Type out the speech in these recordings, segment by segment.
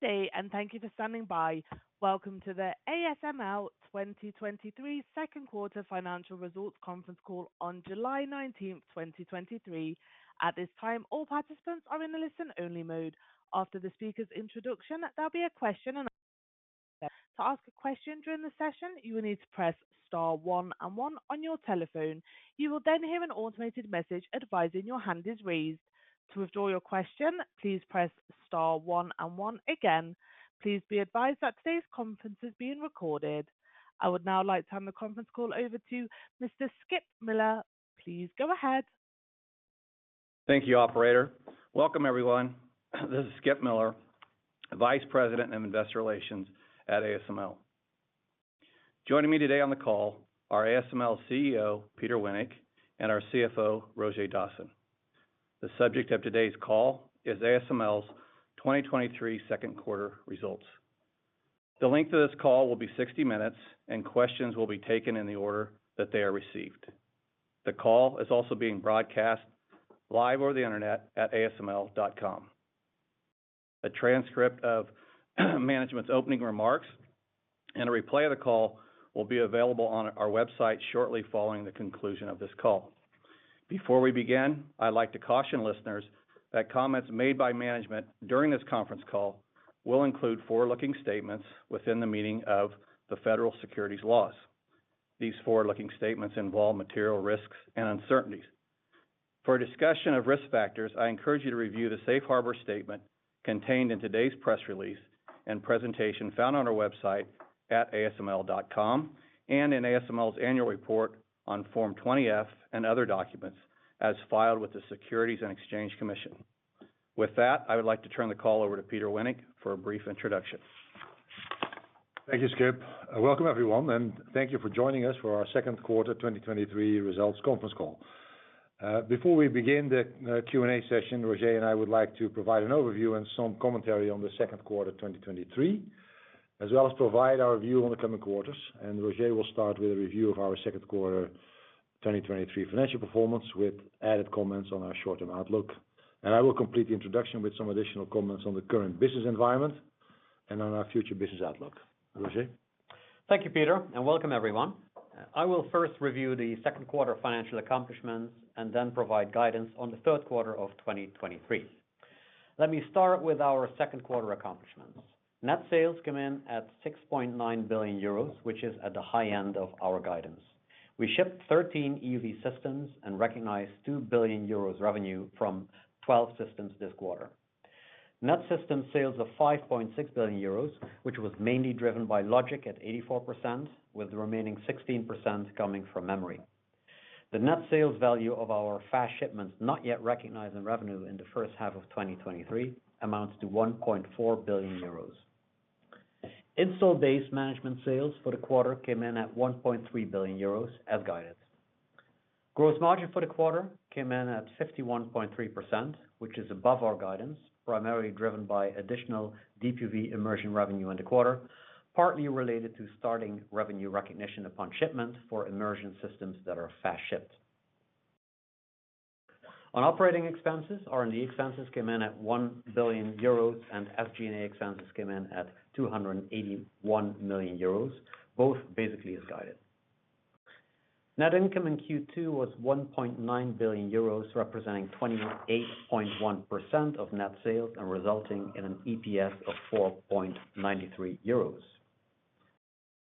Good day, and thank you for standing by. Welcome to the ASML 2023 Second Quarter Financial Results Conference Call on July 19th, 2023. At this time, all participants are in a listen-only mode. After the speaker's introduction, there'll be a question-and-answer session. To ask a question during the session, you will need to press star one and one on your telephone. You will then hear an automated message advising your hand is raised. To withdraw your question, please press star one and one again. Please be advised that today's conference is being recorded. I would now like to turn the conference call over to Mr. Skip Miller. Please go ahead. Thank you, operator. Welcome, everyone. This is Skip Miller, Vice President of Investor Relations at ASML. Joining me today on the call are ASML CEO, Peter Wennink, and our CFO, Roger Dassen. The subject of today's call is ASML's 2023 second quarter results. The length of this call will be 60 minutes. Questions will be taken in the order that they are received. The call is also being broadcast live over the internet at asml.com. A transcript of management's opening remarks and a replay of the call will be available on our website shortly following the conclusion of this call. Before we begin, I'd like to caution listeners that comments made by management during this conference call will include forward-looking statements within the meaning of the federal securities laws. These forward-looking statements involve material risks and uncertainties. For a discussion of risk factors, I encourage you to review the safe harbor statement contained in today's press release and presentation found on our website at asml.com, and in ASML's annual report on Form 20-F and other documents, as filed with the Securities and Exchange Commission. With that, I would like to turn the call over to Peter Wennink for a brief introduction. Thank you, Skip. Welcome, everyone, and thank you for joining us for our second quarter 2023 results conference call. Before we begin the Q&A session, Roger and I would like to provide an overview and some commentary on the second quarter 2023, as well as provide our view on the coming quarters. Roger will start with a review of our second quarter 2023 financial performance, with added comments on our short-term outlook. I will complete the introduction with some additional comments on the current business environment and on our future business outlook. Roger? Thank you, Peter. Welcome everyone. I will first review the second quarter financial accomplishments and then provide guidance on the third quarter of 2023. Let me start with our second quarter accomplishments. Net sales came in at 6.9 billion euros, which is at the high end of our guidance. We shipped 13 EUV systems and recognized 2 billion euros revenue from 12 systems this quarter. Net system sales of 5.6 billion euros, which was mainly driven by logic at 84%, with the remaining 16% coming from memory. The net sales value of our fast shipments, not yet recognized in revenue in the first half of 2023, amounts to 1.4 billion euros. Installed Base Management sales for the quarter came in at 1.3 billion euros as guided. Gross margin for the quarter came in at 51.3%, which is above our guidance, primarily driven by additional DUV immersion revenue in the quarter, partly related to starting revenue recognition upon shipment for immersion systems that are fast shipped. On operating expenses, our R&D expenses came in at 1 billion euros, and SG&A expenses came in at 281 million euros, both basically as guided. Net income in Q2 was 1.9 billion euros, representing 28.1% of net sales and resulting in an EPS of 4.93 euros.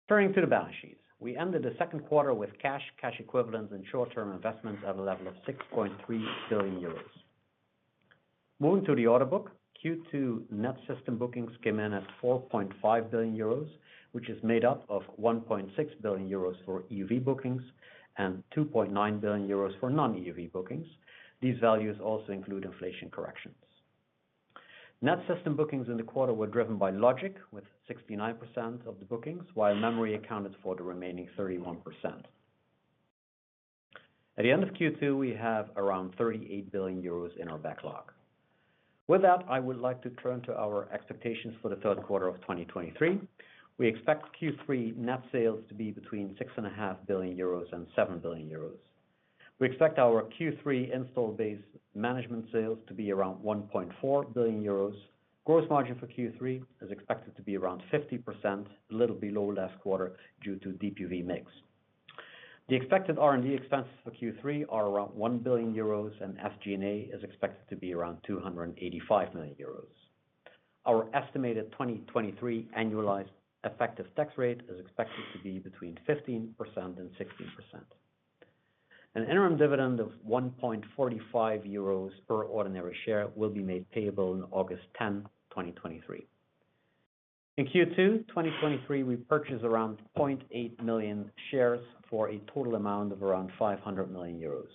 Turning to the balance sheet. We ended the second quarter with cash equivalents, and short-term investments at a level of 6.3 billion euros. Moving to the order book, Q2 net system bookings came in at 4.5 billion euros, which is made up of 1.6 billion euros for EUV bookings and 2.9 billion euros for non-EUV bookings. These values also include inflation corrections. Net system bookings in the quarter were driven by logic, with 69% of the bookings, while memory accounted for the remaining 31%. At the end of Q2, we have around 38 billion euros in our backlog. With that, I would like to turn to our expectations for the third quarter of 2023. We expect Q3 net sales to be between 6.5 billion euros and 7 billion euros. We expect our Q3 Installed Base Management sales to be around 1.4 billion euros. Gross margin for Q3 is expected to be around 50%, a little below last quarter due to DUV mix. The expected R&D expenses for Q3 are around 1 billion euros. SG&A is expected to be around 285 million euros. Our estimated 2023 annualized effective tax rate is expected to be between 15% and 16%. An interim dividend of 1.45 euros per ordinary share will be made payable on August 10, 2023. In Q2 2023, we purchased around 0.8 million shares for a total amount of around 500 million euros.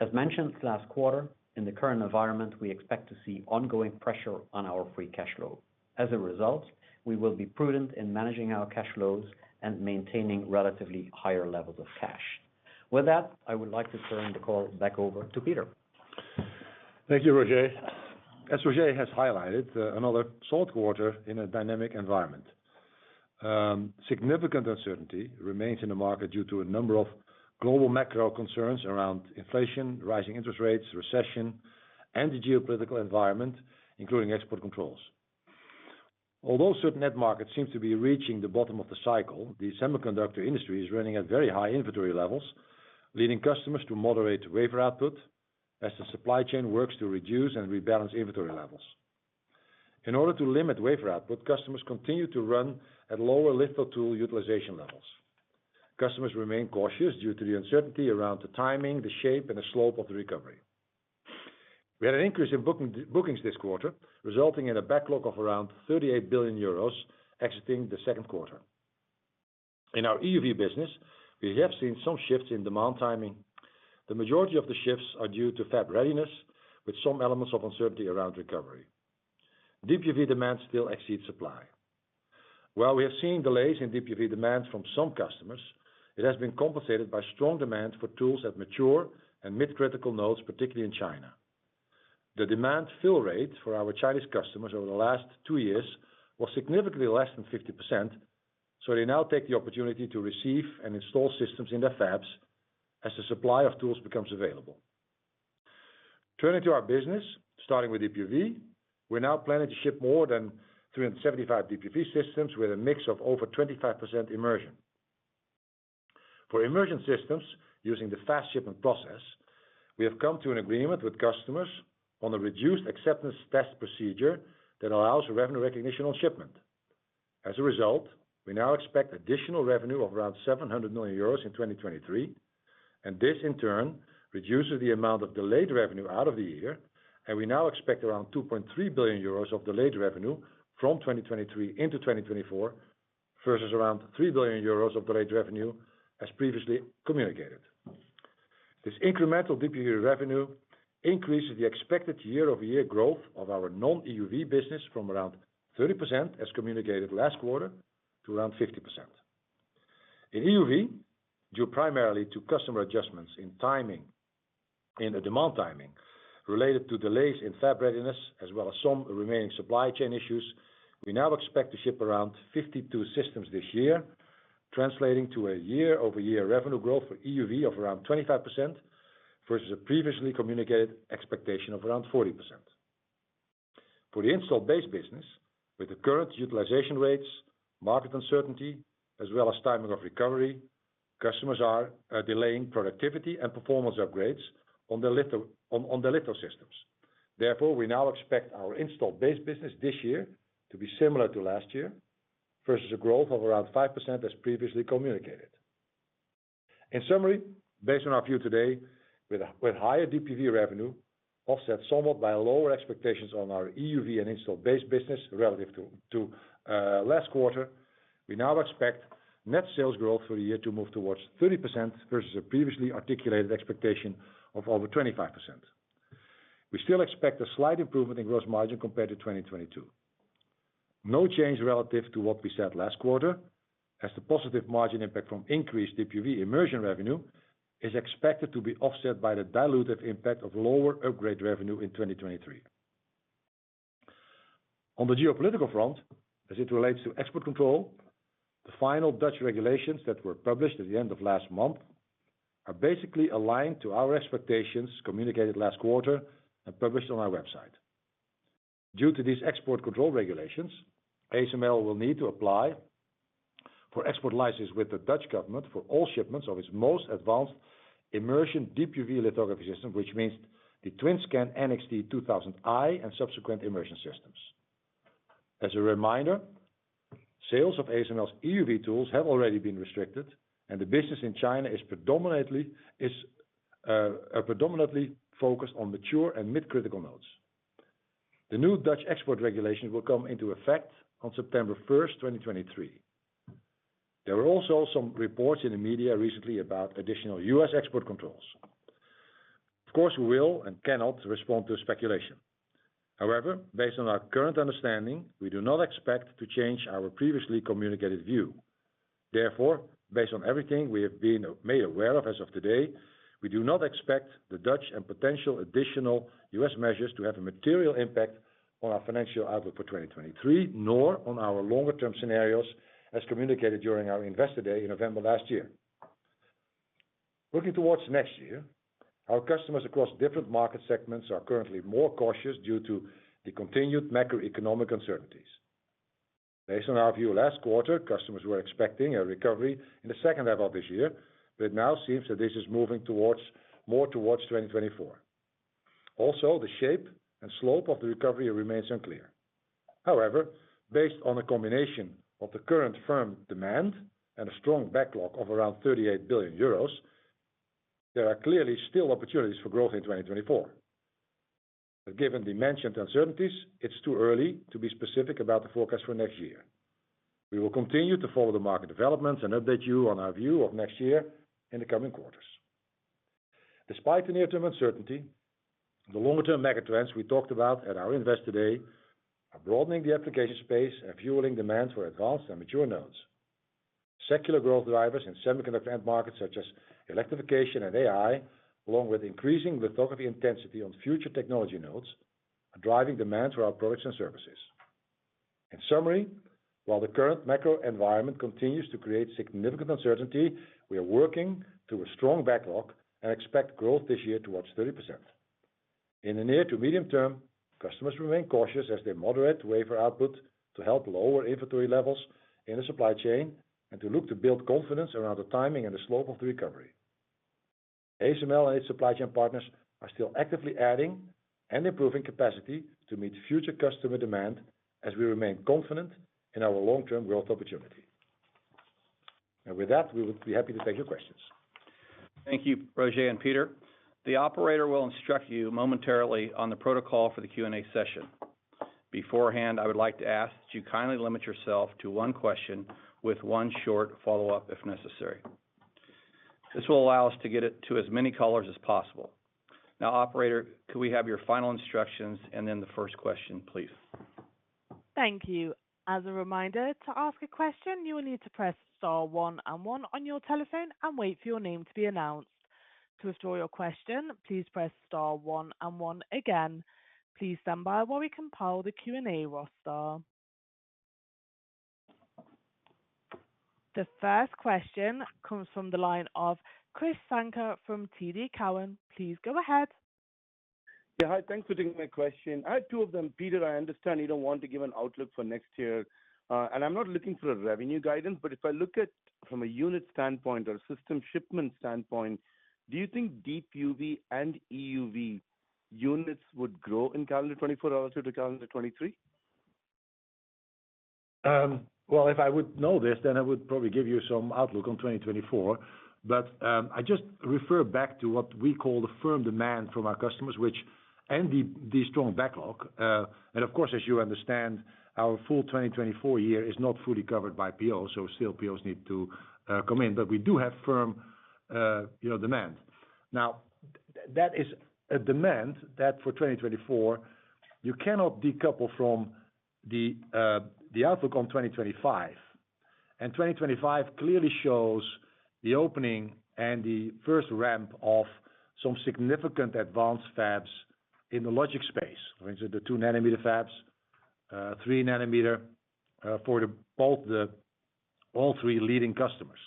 As mentioned last quarter, in the current environment, we expect to see ongoing pressure on our free cash flow. As a result, we will be prudent in managing our cash flows and maintaining relatively higher levels of cash. With that, I would like to turn the call back over to Peter. Thank you, Roger. As Roger has highlighted, another solid quarter in a dynamic environment. Significant uncertainty remains in the market due to a number of global macro concerns around inflation, rising interest rates, recession, and the geopolitical environment, including export controls. Although certain end markets seem to be reaching the bottom of the cycle, the semiconductor industry is running at very high inventory levels, leading customers to moderate wafer output as the supply chain works to reduce and rebalance inventory levels. In order to limit wafer output, customers continue to run at lower litho tool utilization levels. Customers remain cautious due to the uncertainty around the timing, the shape, and the slope of the recovery. We had an increase in bookings this quarter, resulting in a backlog of around 38 billion euros exiting the second quarter. In our EUV business, we have seen some shifts in demand timing. The majority of the shifts are due to fab readiness, with some elements of uncertainty around recovery. DUV demand still exceeds supply. While we have seen delays in DUV demand from some customers, it has been compensated by strong demand for tools at mature and mid-critical nodes, particularly in China. The demand fill rate for our Chinese customers over the last two years was significantly less than 50%, so they now take the opportunity to receive and install systems in their fabs as the supply of tools becomes available. Turning to our business, starting with DUV, we're now planning to ship more than 375 DUV systems with a mix of over 25% immersion. For immersion systems using the fast shipment process, we have come to an agreement with customers on a reduced acceptance test procedure that allows revenue recognition on shipment. As a result, we now expect additional revenue of around 700 million euros in 2023, and this in turn reduces the amount of delayed revenue out of the year, and we now expect around 2.3 billion euros of delayed revenue from 2023 into 2024, versus around 3 billion euros of delayed revenue as previously communicated. This incremental DUV revenue increases the expected year-over-year growth of our non-EUV business from around 30%, as communicated last quarter, to around 50%. In EUV, due primarily to customer adjustments in timing in the demand timing, related to delays in fab readiness as well as some remaining supply chain issues, we now expect to ship around 52 systems this year, translating to a year-over-year revenue growth for EUV of around 25%, versus a previously communicated expectation of around 40%. For the Installed Base business, with the current utilization rates, market uncertainty, as well as timing of recovery, customers are delaying productivity and performance upgrades on the litho systems. Therefore, we now expect our Installed Base business this year to be similar to last year, versus a growth of around 5% as previously communicated. In summary, based on our view today, with higher DUV revenue, offset somewhat by lower expectations on our EUV and Installed Base business relative to last quarter, we now expect net sales growth for the year to move towards 30% versus a previously articulated expectation of over 25%. We still expect a slight improvement in gross margin compared to 2022. No change relative to what we said last quarter, as the positive margin impact from increased DUV immersion revenue is expected to be offset by the diluted impact of lower upgrade revenue in 2023. On the geopolitical front, as it relates to export control, the final Dutch regulations that were published at the end of last month, are basically aligned to our expectations communicated last quarter and published on our website. Due to these export control regulations, ASML will need to apply for export license with the Dutch government for all shipments of its most advanced immersion DUV lithography system, which means the TWINSCAN NXT:2000i and subsequent immersion systems. As a reminder, sales of ASML's EUV tools have already been restricted, and the business in China is predominantly focused on mature and mid-critical nodes. The new Dutch export regulations will come into effect on September 1st, 2023. There were also some reports in the media recently about additional US export controls. We will and cannot respond to speculation. Based on our current understanding, we do not expect to change our previously communicated view. Based on everything we have been made aware of as of today, we do not expect the Dutch and potential additional U.S. measures to have a material impact on our financial outlook for 2023, nor on our longer-term scenarios, as communicated during our Investor Day in November last year. Looking towards next year, our customers across different market segments are currently more cautious due to the continued macroeconomic uncertainties. Based on our view last quarter, customers were expecting a recovery in the second half of this year, it now seems that this is moving more towards 2024. The shape and slope of the recovery remains unclear. Based on a combination of the current firm demand and a strong backlog of around 38 billion euros, there are clearly still opportunities for growth in 2024. Given the mentioned uncertainties, it's too early to be specific about the forecast for next year. We will continue to follow the market developments and update you on our view of next year in the coming quarters. Despite the near-term uncertainty, the longer-term mega trends we talked about at our Investor Day are broadening the application space and fueling demand for advanced and mature nodes. Secular growth drivers in semiconductor end markets, such as electrification and AI, along with increasing lithography intensity on future technology nodes, are driving demand for our products and services. In summary, while the current macro environment continues to create significant uncertainty, we are working through a strong backlog and expect growth this year towards 30%. In the near to medium term, customers remain cautious as they moderate wafer output to help lower inventory levels in the supply chain, and to look to build confidence around the timing and the slope of the recovery. ASML and its supply chain partners are still actively adding and improving capacity to meet future customer demand as we remain confident in our long-term growth opportunity. With that, we would be happy to take your questions. Thank you, Roger and Peter. The operator will instruct you momentarily on the protocol for the Q&A session. Beforehand, I would like to ask that you kindly limit yourself to one question with one short follow-up, if necessary. This will allow us to get it to as many callers as possible. Operator, could we have your final instructions and then the first question, please? Thank you. As a reminder, to ask a question, you will need to press star one and one on your telephone and wait for your name to be announced. To withdraw your question, please press star one and one again. Please stand by while we compile the Q&A roster. The first question comes from the line of Krish Sankar from TD Cowen. Please go ahead. Yeah, hi. Thanks for taking my question. I have two of them. Peter I understand you don't want to give an outlook for next year, and I'm not looking for a revenue guidance, but if I look at from a unit standpoint or system shipment standpoint, do you think Deep UV and EUV units would grow in calendar 2024 all the way to calendar 2023? Well, if I would know this, then I would probably give you some outlook on 2024. I just refer back to what we call the firm demand from our customers. The strong backlog, and of course, as you understand, our full 2024 year is not fully covered by PO, so still POs need to come in. We do have firm, you know, demand. That is a demand that for 2024, you cannot decouple from the outlook on 2025. 2025 clearly shows the opening and the first ramp of some significant advanced fabs in the logic space. I mean, so the 2nm fabs, 3nm, for the both the all three leading customers.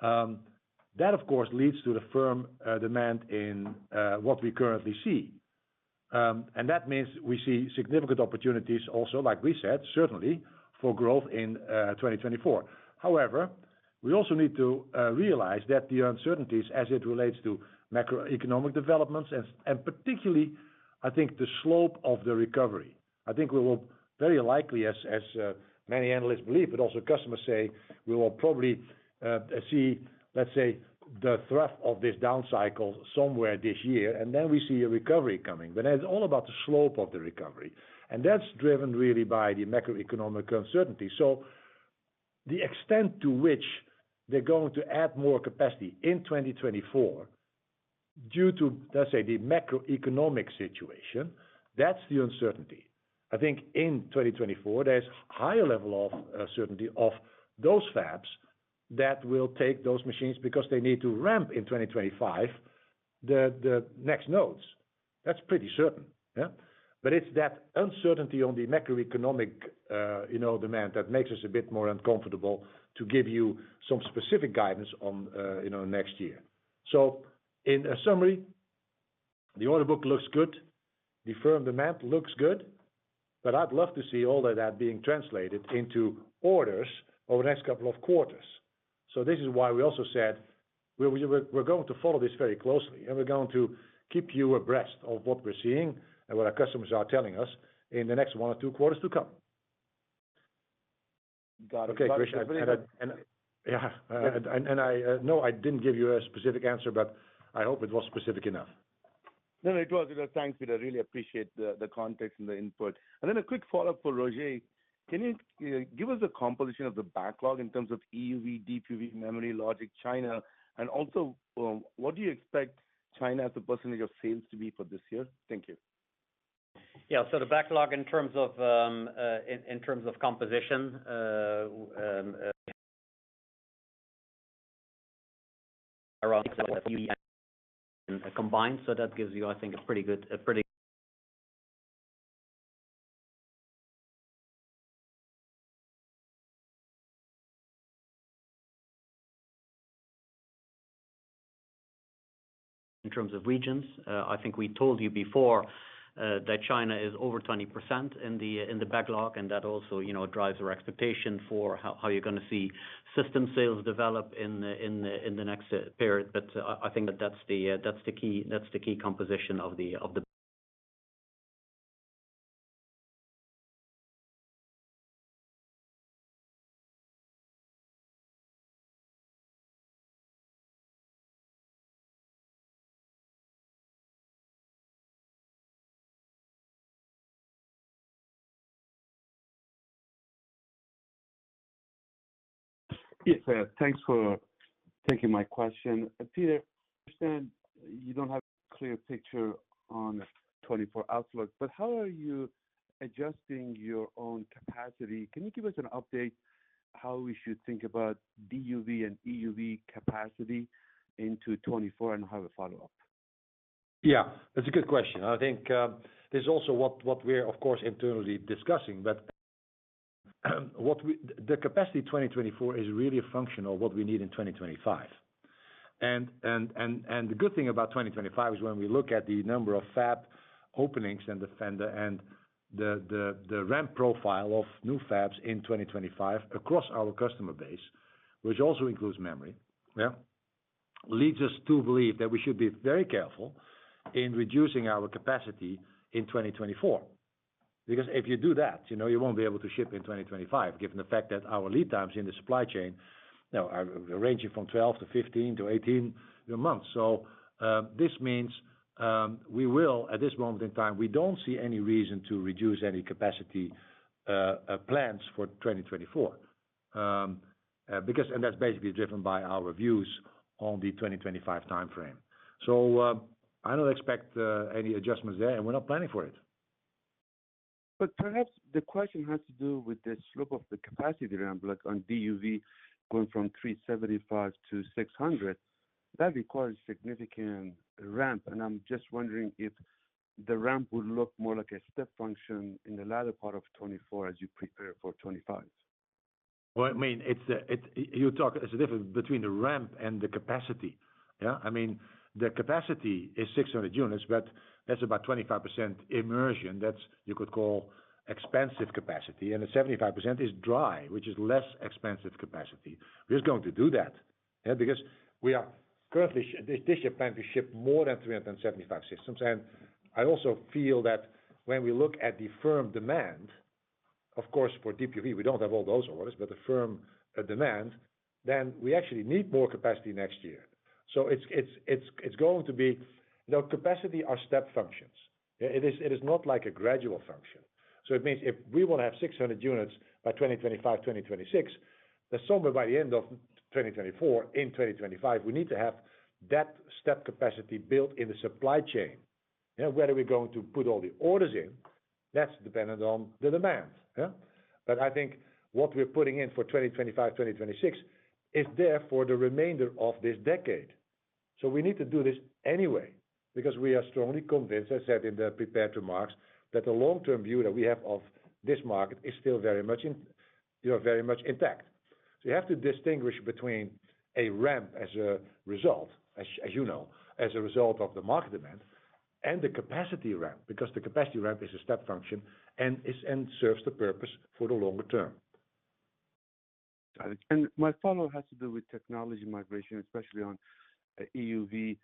That, of course leads to the firm demand in what we currently see. That means we see significant opportunities also, like we said, certainly for growth in 2024. However, we also need to realize that the uncertainties as it relates to macroeconomic developments and particularly, I think, the slope of the recovery. I think we will very likely, as many analysts believe, but also customers say, we will probably see, let's say, the trough of this downcycle somewhere this year, and then we see a recovery coming. That's all about the slope of the recovery, and that's driven really by the macroeconomic uncertainty. The extent to which they're going to add more capacity in 2024 due to, let's say, the macroeconomic situation, that's the uncertainty. I think in 2024, there's higher level of certainty of those fabs that will take those machines because they need to ramp in 2025, the next nodes. That's pretty certain. Yeah? But it's that uncertainty on the macroeconomic, you know, demand, that makes us a bit more uncomfortable to give you some specific guidance on, you know, next year. So in summary, the order book looks good, the firm demand looks good, but I'd love to see all of that being translated into orders over the next couple of quarters. So this is why we also said, we're going to follow this very closely, and we're going to keep you abreast of what we're seeing and what our customers are telling us in the next 1 or 2 quarters to come. Got it. Okay, Krish, and I... Yeah, and I... No, I didn't give you a specific answer, but I hope it was specific enough. No, no, it was. Thanks, Peter. I really appreciate the context and the input. A quick follow-up for Roger. Can you give us a composition of the backlog in terms of EUV, Deep UV, memory, logic, China? What do you expect China as a % of sales to be for this year? Thank you. Yeah. The backlog in terms of composition around combined. That gives you, I think, a pretty good. In terms of regions, I think we told you before, that China is over 20% in the backlog, and that also, you know, drives our expectation for how you're going to see system sales develop in the next period. I think that that's the key composition of the. Yes.... Thank you. My question. Peter, I understand you don't have a clear picture on 2024 outlook, but how are you adjusting your own capacity? Can you give us an update how we should think about DUV and EUV capacity into 2024? I have a follow-up. Yeah, that's a good question. I think, this is also what we're of course, internally discussing. The capacity 2024 is really a function of what we need in 2025. The good thing about 2025 is when we look at the number of fab openings in the vendor and the ramp profile of new fabs in 2025 across our customer base, which also includes memory. Yeah. Leads us to believe that we should be very careful in reducing our capacity in 2024. If you do that, you know, you won't be able to ship in 2025, given the fact that our lead times in the supply chain, you know, are ranging from 12 to 15 to 18 months. This means, we will at this moment in time, we don't see any reason to reduce any capacity plans for 2024. Because that's basically driven by our views on the 2025 time frame. I don't expect any adjustments there, and we're not planning for it. Perhaps the question has to do with the slope of the capacity ramp, like on DUV, going from 375 to 600. That requires significant ramp, and I'm just wondering if the ramp would look more like a step function in the latter part of 2024 as you prepare for 2025. Well, I mean, you talk, there's a difference between the ramp and the capacity. Yeah. I mean, the capacity is 600 units, but that's about 25% immersion. That's, you could call expensive capacity, and the 75% is dry, which is less expensive capacity. We're just going to do that, yeah, because we are currently this year planned to ship more than 375 systems. I also feel that when we look at the firm demand, of course, for DUV, we don't have all those orders, but the firm demand, then we actually need more capacity next year. It's going to be, you know, capacity are step functions. It is not like a gradual function. It means if we want to have 600 units by 2025, 2026, somewhere by the end of 2024, in 2025, we need to have that step capacity built in the supply chain. You know, where are we going to put all the orders in? That's dependent on the demand, yeah. I think what we're putting in for 2025, 2026 is there for the remainder of this decade. We need to do this anyway, because we are strongly convinced, I said in the prepared remarks, that the long-term view that we have of this market is still very much in, you know, very much intact. You have to distinguish between a ramp as a result, as you know, as a result of the market demand and the capacity ramp, because the capacity ramp is a step function and serves the purpose for the longer term. Got it. My follow-up has to do with technology migration, especially on EUV.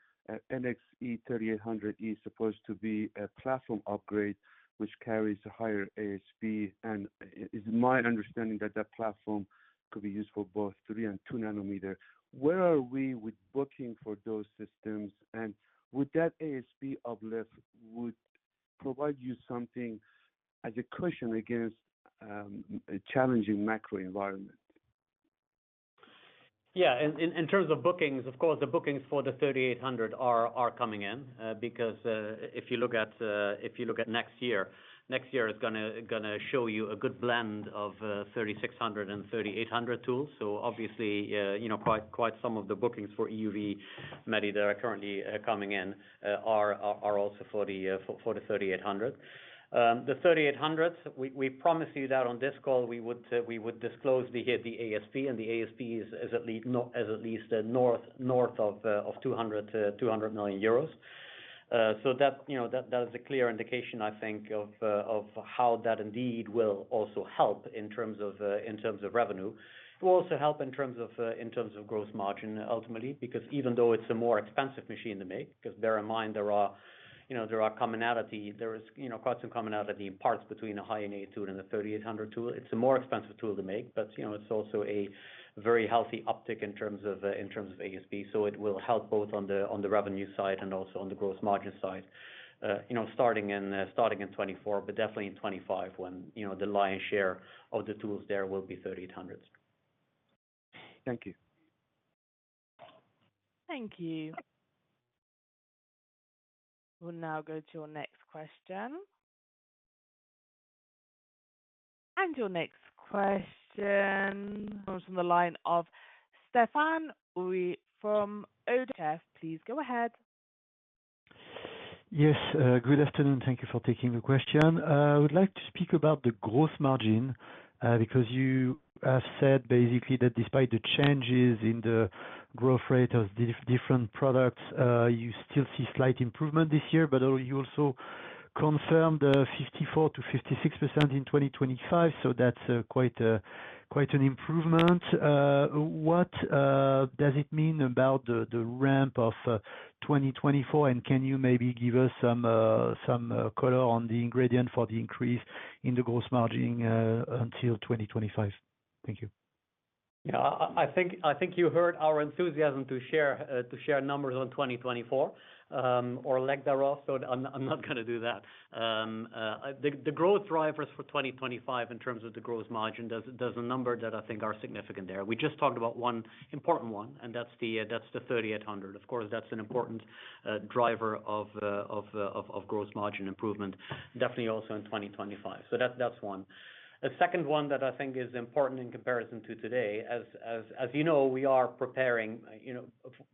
NXE 3800 is supposed to be a platform upgrade, which carries a higher ASP, and it's my understanding that platform could be used for both 3 and 2nm. Where are we with booking for those systems? Would that ASP uplift would provide you something as a cushion against a challenging macro environment? Yeah, in terms of bookings, of course, the bookings for the 3800 are coming in, because if you look at next year, next year is gonna show you a good blend of TWINSCAN NXE:3600D and 3800 tools. Obviously, you know, quite some of the bookings for EUV many that are currently coming in are also for the 3800. The 3800s, we promised you that on this call, we would disclose the ASP, and the ASP is at least north of 200 million euros. That, you know, that is a clear indication, I think, of how that indeed will also help in terms of revenue. It will also help in terms of gross margin, ultimately, because even though it's a more expensive machine to make, because bear in mind, there are commonality. There is, you know, quite some commonality in parts between a High-NA tool and a TWINSCAN NXE:3800E tool. It's a more expensive tool to make but, you know, it's also a very healthy uptick in terms of ASP. It will help both on the revenue side and also on the gross margin side. you know, starting in 2024, but definitely in 2025 when you know, the lion's share of the tools there will be 3800s. Thank you. Thank you. We'll now go to our next question. Your next question comes from the line of Stephane Houri from ODDO BHF. Please go ahead. Good afternoon. Thank you for taking the question. I would like to speak about the gross margin, because you have said basically that despite the changes in the growth rate of different products, you still see slight improvement this year, but you also confirmed 54%-56% in 2025, so that's quite quite an improvement. What does it mean about the ramp of 2024, and can you maybe give us some color on the ingredient for the increase in the gross margin until 2025? Thank you. Yeah, I think you heard our enthusiasm to share numbers on 2024, or lack thereof, so I'm not gonna do that. The growth drivers for 2025 in terms of the gross margin, there's a number that I think are significant there. We just talked about one important one, and that's the 3800. Of course, that's an important driver of gross margin improvement definitely also in 2025. That's one. The second one that I think is important in comparison to today, as you know, we are preparing, you know,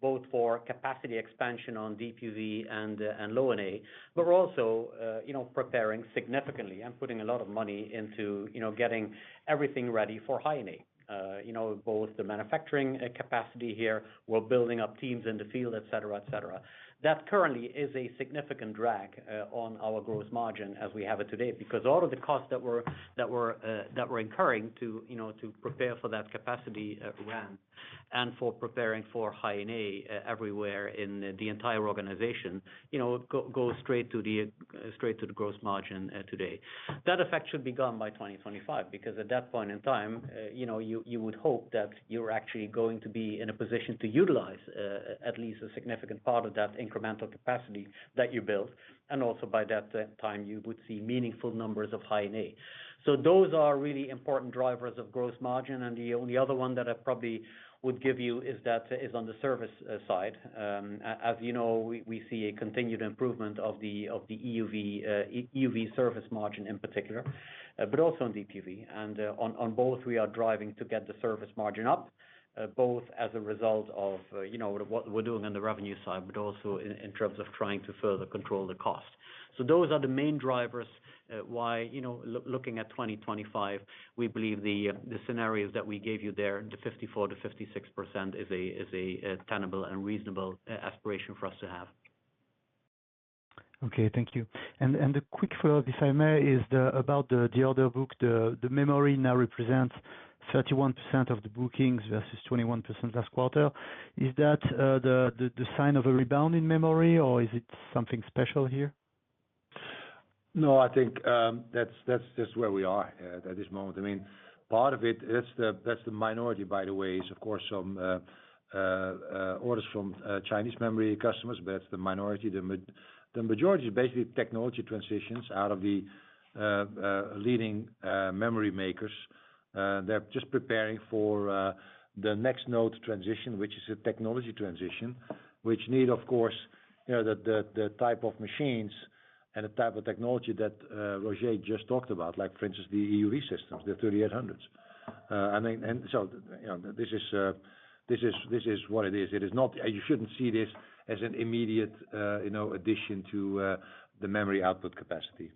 both for capacity expansion on DUV and Low-NA, but we're also you know, preparing significantly and putting a lot of money into, you know, getting everything ready for High-NA. You know, both the manufacturing capacity here, we're building up teams in the field, et cetera, et cetera. That currently is a significant drag on our gross margin as we have it today. All of the costs that we're incurring to you know, to prepare for that capacity, to run and for preparing for High-NA everywhere in the entire organization, you know, goes straight to the gross margin today. That effect should be gone by 2025, because at that point in time, you know, you would hope that you're actually going to be in a position to utilize at least a significant part of that incremental capacity that you built, and also by that time, you would see meaningful numbers of High-NA. Those are really important drivers of gross margin, and the only other one that I probably would give you is that is on the service side. As you know, we see a continued improvement of the EUV service margin in particular, but also on DUV. On both, we are driving to get the service margin up, both as a result of, you know, what we're doing on the revenue side, but also in terms of trying to further control the cost. Those are the main drivers, why, you know, looking at 2025, we believe the scenarios that we gave you there, the 54%-56% is a tenable and reasonable aspiration for us to have. Okay, thank you. The quick follow-up, if I may, is the other book, the Memory now represents 31% of the bookings, versus 21 last quarter. Is that the sign of a rebound in Memory, or is it something special here? No, I think that's just where we are at this moment. I mean part of it, that's the minority by the way, is of course, some orders from Chinese memory customers, but it's the minority. The majority is basically technology transitions out of the leading memory makers. They're just preparing for the next node transition, which is a technology transition, which need, of course, you know, the type of machines and the type of technology that Roger just talked about like, for instance, the EUV systems, the 3800s. I mean, you know, this is what it is. It is not. You shouldn't see this as an immediate, you know, addition to the memory output capacity.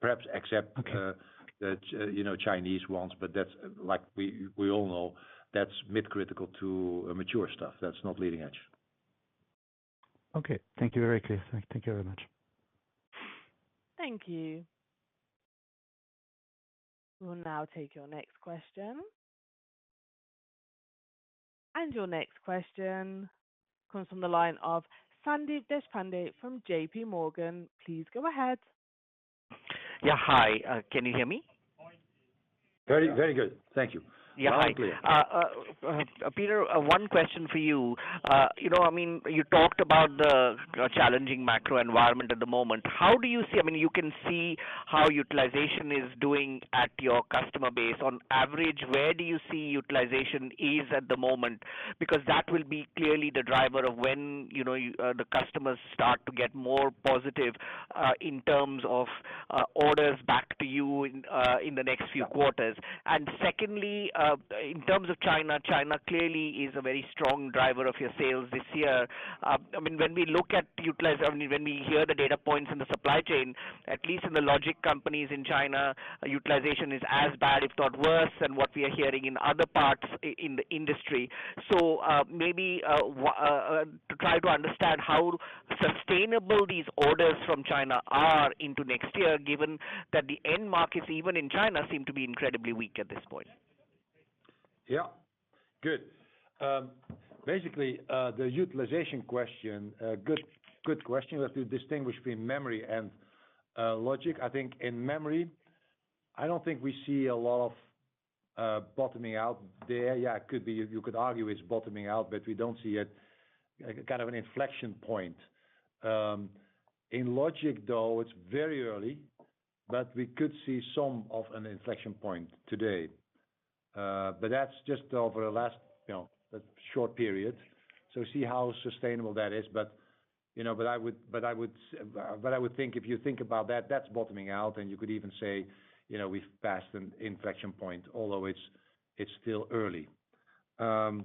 Perhaps except- Okay. the, you know Chinese ones, but that's like we all know, that's mid-critical to mature stuff. That's not leading edge. Okay. Thank you. Very clear. Thank you very much. Thank you. We'll now take your next question. Your next question comes from the line of Sandeep Deshpande from JPMorgan. Please go ahead. Yeah. Hi, can you hear me? Very, very good. Thank you. Yeah. Hi. Loud and clear. Peter, one question for you. You know, I mean, you talked about the challenging macro environment at the moment. I mean, you can see how utilization is doing at your customer base. On average, where do you see utilization is at the moment? Because that will be clearly the driver of when, you know, the customers start to get more positive in terms of orders back to you in the next few quarters. Secondly, in terms of China clearly is a very strong driver of your sales this year. I mean, when we look at I mean, when we hear the data points in the supply chain at least in the logic companies in China utilization is as bad, if not worse, than what we are hearing in other parts in the industry. Maybe to try to understand how sustainable these orders from China are into next year given that the end markets, even in China, seem to be incredibly weak at this point. Yeah. Good. Basically, the utilization question, good question. You have to distinguish between memory and logic. I think in memory, I don't think we see a lot of bottoming out there. Yeah, it could be, you could argue it's bottoming out, but we don't see it, like, kind of an inflection point. In logic, though, it's very early, but we could see some of an inflection point today. That's just over the last, you know, short period. See how sustainable that is. You know, but I would think if you think about that's bottoming out, and you could even say, you know, we've passed an inflection point, although it's still early. Now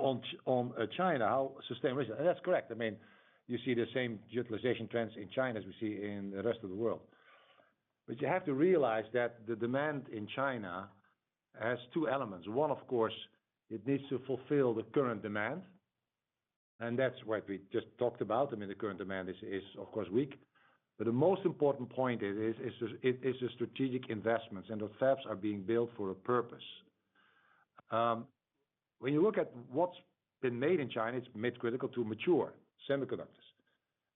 on China, how sustainable is it? That's correct. I mean, you see the same utilization trends in China as we see in the rest of the world. You have to realize that the demand in China has two elements. One, of course, it needs to fulfill the current demand, and that's what we just talked about. I mean, the current demand is of course, weak. The most important point is the strategic investments, and the fabs are being built for a purpose. When you look at what's been made in China, it's mid-critical to mature semiconductors,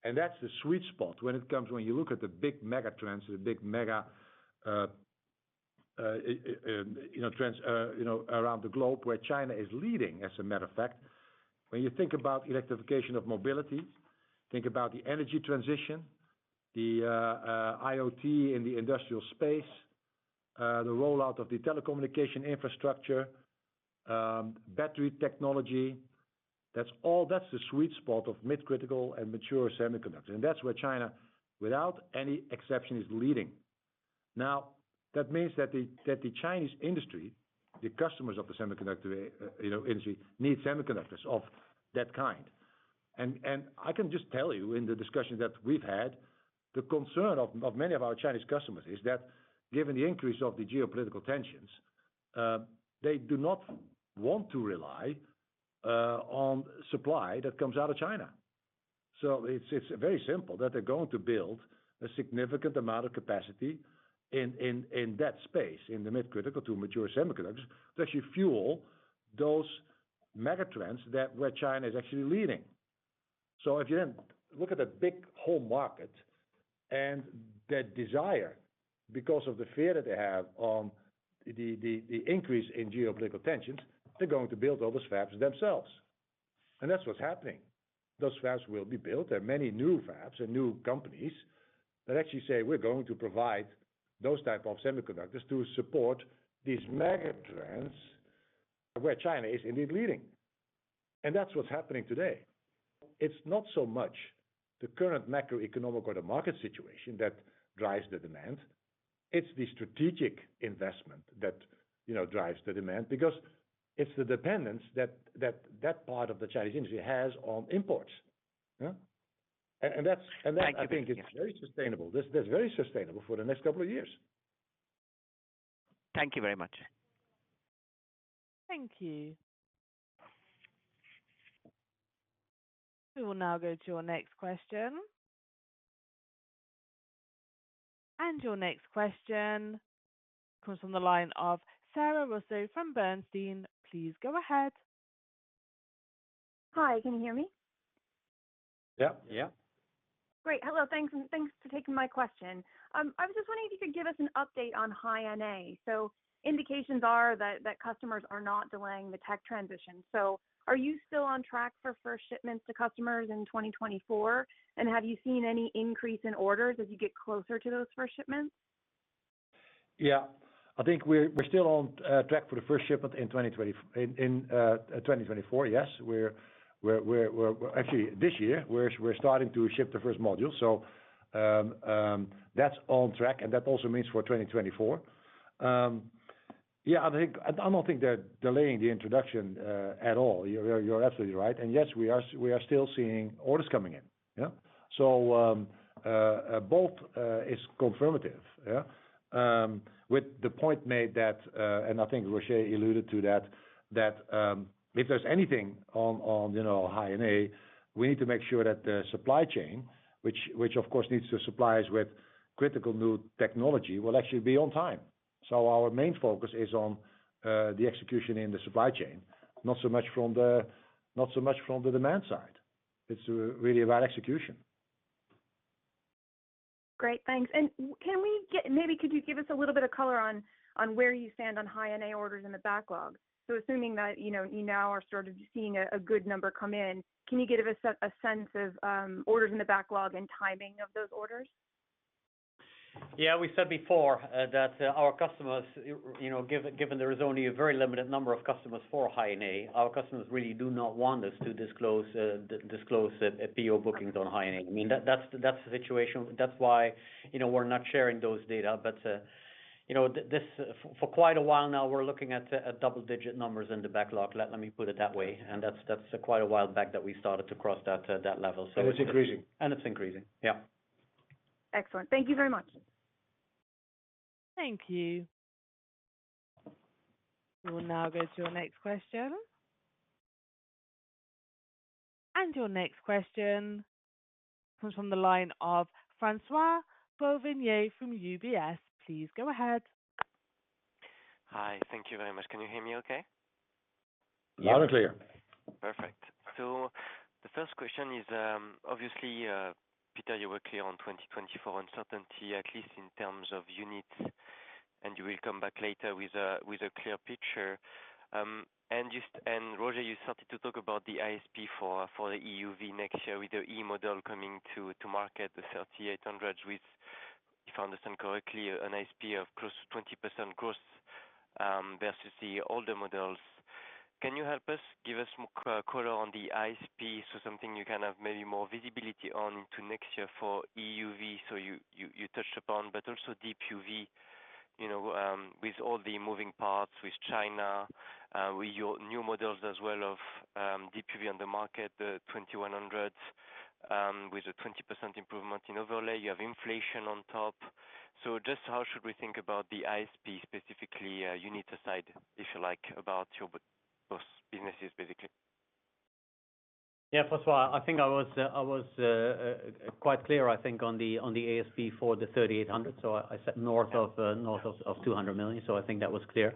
and that's the sweet spot. When you look at the big mega trend you know, around the globe, where China is leading, as a matter of fact. When you think about electrification of mobility, think about the energy transition, the IoT in the industrial space, the rollout of the telecommunication infrastructure, battery technology, that's the sweet spot of mid-critical and mature semiconductors, and that's where China, without any exception, is leading. That means that the Chinese industry, the customers of the semiconductor, you know, industry, need semiconductors of that kind. I can just tell you in the discussions that we've had, the concern of many of our Chinese customers is that given the increase of the geopolitical tensions, they do not want to rely on supply that comes out of China. It's very simple, that they're going to build a significant amount of capacity in that space, in the mid-critical to mature semiconductors, to actually fuel those mega trends where China is actually leading. If you then look at the big whole market and that desire, because of the fear that they have on the increase in geopolitical tensions, they're going to build all those fabs themselves. That's what's happening. Those fabs will be built. There are many new fabs and new companies that actually say, "We're going to provide those type of semiconductors to support these mega trends where China is indeed leading." That's what's happening today. It's not so much the current macroeconomic or the market situation that drives the demand. It's the strategic investment that, you know, drives the demand, because it's the dependence that part of the Chinese industry has on imports. Yeah? That's. Thank you. I think is very sustainable. That's very sustainable for the next couple of years. Thank you very much. Thank you. We will now go to our next question. Your next question comes from the line of Sara Russo from Bernstein. Please go ahead. Hi, can you hear me? Yeah. Yeah. Great. Hello, thanks, and thanks for taking my question. I was just wondering if you could give us an update on High-NA. Indications are that customers are not delaying the tech transition. Are you still on track for first shipments to customers in 2024? Have you seen any increase in orders as you get closer to those first shipments? I think we're still on track for the first shipment in 2024. Actually, this year, we're starting to ship the first module, so that's on track, and that also means for 2024. I don't think they're delaying the introduction at all. You're absolutely right. We are still seeing orders coming in. Both is confirmative. With the point made that, and I think Roger alluded to that if there's anything on, you know, High NA, we need to make sure that the supply chain, which of course needs to supply us with critical new technology, will actually be on time. Our main focus is on the execution in the supply chain, not so much from the demand side. It's really about execution. Great, thanks. Maybe could you give us a little bit of color on where you stand on High-NA orders in the backlog? Assuming that, you know, you now are sort of seeing a good number come in, can you give us a sense of orders in the backlog and timing of those orders? We said before that our customers, you know, given there is only a very limited number of customers for High-NA, our customers really do not want us to disclose it, PO bookings on High-NA. I mean, that's the situation. That's why, you know, we're not sharing those data. You know, for quite a while now, we're looking at double-digit numbers in the backlog. Let me put it that way, and that's quite a while back that we started to cross that level. It's increasing. It's increasing. Yeah. Excellent. Thank you very much. Thank you. We will now go to our next question. Your next question comes from the line of Francois-Xavier Bouvignies from UBS. Please go ahead. Hi, thank you very much. Can you hear me okay? Loud and clear. Perfect. The first question is obviously, Peter, you were clear on 2024 uncertainty, at least in terms of units, and you will come back later with a clear picture. Roger, you started to talk about the ISP for the EUV next year with the E model coming to market, the 3800, with, if I understand correctly, an ISP of close to 20% growth versus the older models. Can you give us more color on the ISP? Something you can have maybe more visibility on to next year for EUV, you touched upon, but also Deep UV, you know, with all the moving parts, with China, with your new models as well of Deep UV on the market, the TWINSCAN NXT:2100i, with a 20% improvement in overlay. You have inflation on top. Just how should we think about the ISP, specifically, unit side, if you like, about your, those businesses, basically? Yeah, first of all, I think I was quite clear, I think, on the ASP for the 3800. I said north of 200 million. I think that was clear.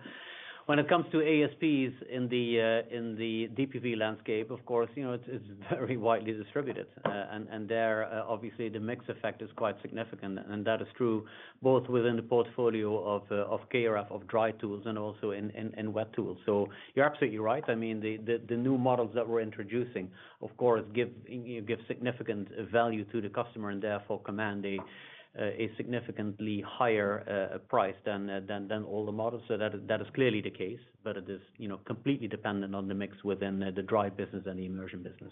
When it comes to ASPs in the DUV landscape, of course, you know, it's very widely distributed. And there, obviously, the mix effect is quite significant, and that is true both within the portfolio of KrF, of dry tools, and also in wet tools. You're absolutely right. I mean, the new models that we're introducing of course, give, you know, give significant value to the customer and therefore command a significantly higher price than older models. That is clearly the case, but it is, you know, completely dependent on the mix within the dry business and the immersion business.